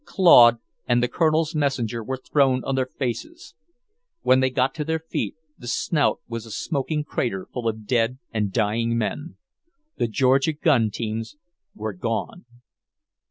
Claude and the Colonel's messenger were thrown on their faces. When they got to their feet, the Snout was a smoking crater full of dead and dying men. The Georgia gun teams were gone.